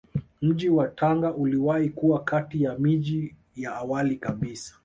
Mji wa Tanga uliwahi kuwa kati ya miji ya awali kabisa